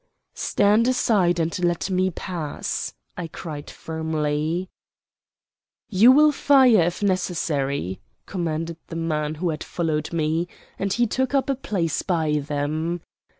"Stand aside and let me pass!" I cried firmly. "You will fire, if necessary," commanded the man who had followed me, and he took up a place by them.